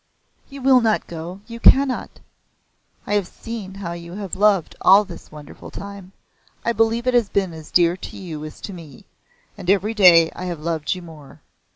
"You will not go you cannot. I have seen how you have loved all this wonderful time. I believe it has been as dear to you as to me. And every day I have loved you more.